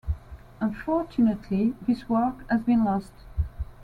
Unfortunately, this work has been lost.